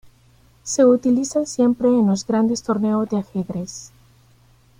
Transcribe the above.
Se utilizan siempre en los grandes torneos de ajedrez.